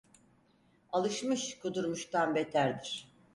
Alışmış, kudurmuştan beterdir!